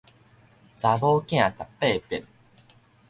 查某囝十八變